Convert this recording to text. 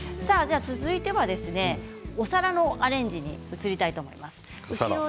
続いては、お皿のアレンジに移りたいと思います。